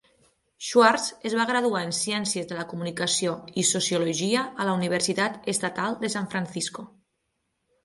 Schwartz es va graduar en Ciències de la Comunicació i Sociologia a la Universitat Estatal de San Francisco.